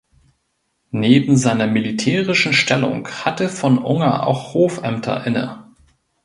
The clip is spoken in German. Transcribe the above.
Neben seiner militärischen Stellung hatte von Unger auch Hofämter inne.